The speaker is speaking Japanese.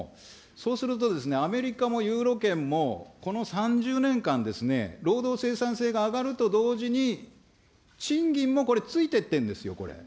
そうすると、アメリカもユーロ圏も、この３０年間ですね、労働生産性が上がると同時に、賃金もこれついていっているんですよ、これ。